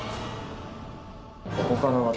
ここから私。